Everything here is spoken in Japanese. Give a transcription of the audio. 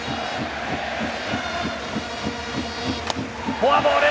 フォアボール。